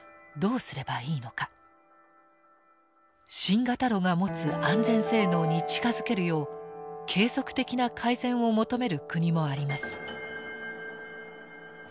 新型炉が持つ安全性能に近づけるよう継続的な改善を求める国もあります。